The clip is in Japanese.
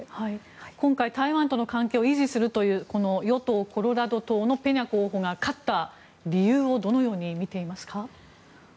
今回、台湾との関係を維持するという与党コロラド党のペニャ候補が勝った理由をどのようにみていますか？